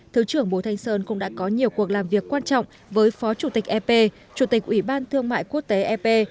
thứ trưởng bố thanh sơn cũng đã có nhiều cuộc làm việc quan trọng với phó chủ tịch ep chủ tịch ủy ban thương mại quốc tế ep